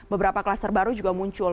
beberapa klaster baru juga muncul